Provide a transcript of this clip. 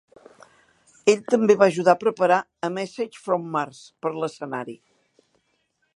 Ell també va ajudar a preparar "A Message From Mars" per l'escenari.